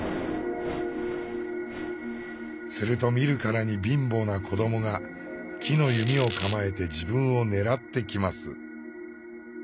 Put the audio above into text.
すると見るからに貧乏な子どもが木の弓を構えて自分を狙ってきます。